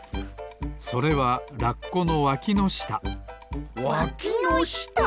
それはラッコのわきのしたわきのした！？